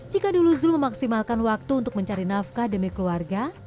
jika dulu zul memaksimalkan waktu untuk mencari nafkah demi keluarga